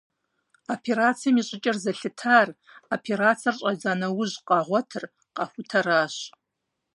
Операцием и щӏыкӏэр зэлъытар, операциер щӏадза нэужь къагъуэтыр, къахутэращ.